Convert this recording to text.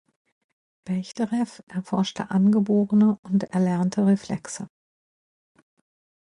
Bechterew erforschte angeborene und erlernte Reflexe.